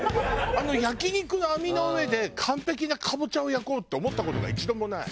あの焼肉の網の上で完璧なカボチャを焼こうって思った事が一度もない。